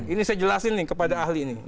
ini saya jelasin nih kepada ahli ini